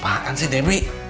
apaan sih debi